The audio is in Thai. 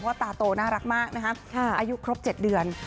ตาโตน่ารักมากนะคะอายุครบ๗เดือน